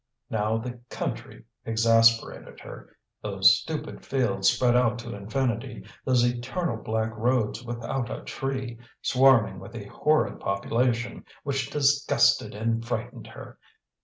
Now the country exasperated her, those stupid fields spread out to infinity, those eternal black roads without a tree, swarming with a horrid population which disgusted and frightened her.